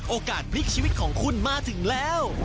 โอกาสพลิกชีวิตของคุณมาถึงแล้ว